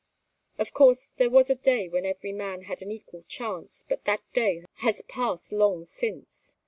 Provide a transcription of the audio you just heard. Of course there was a day when every man had an equal chance, but that day has passed long since.